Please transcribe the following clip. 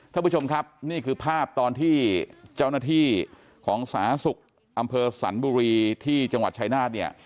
ท่านผู้ชมครับนี่คือภาพตอนที่เจ้าหน้าที่ของสาธารณสุขอำเภอสรรบุรีที่จังหวัดชายนาฏเนี่ย